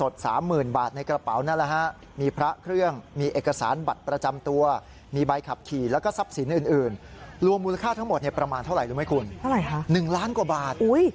รู้ไหมคุณหนึ่งล้านกว่าบาทโอ้โฮอุ๊ยเยอะมากเลยนะ